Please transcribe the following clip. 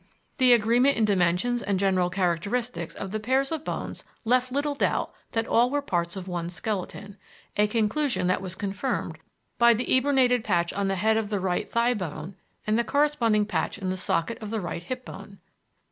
The agreement in dimensions and general characteristics of the pairs of bones left little doubt that all were parts of one skeleton, a conclusion that was confirmed by the eburnated patch on the head of the right thigh bone and the corresponding patch in the socket of the right hip bone.